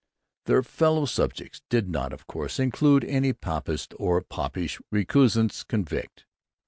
'Their fellow Subjects' did not, of course, include any 'papist or popish Recusants Convict.'